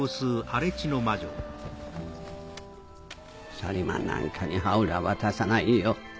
サリマンなんかにハウルは渡さないよ。